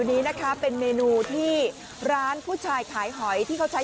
ไม่มาทำร้ายฉันทำไม